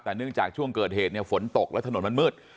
แต่เนื่องจากช่วงเกิดเหตุเนี่ยฝนตกและถนนมันมืด